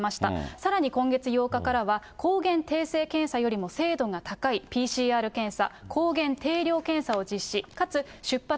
さらに今月８日からは、抗原検査よりも精度が高いＰＣＲ検査、抗原定量検査を実施。